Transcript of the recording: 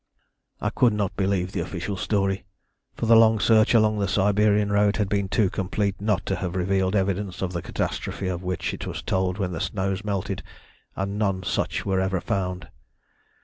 "I could not believe the official story, for the search along the Siberian road had been too complete not to have revealed evidences of the catastrophe of which it told when the snows melted, and none such were ever found.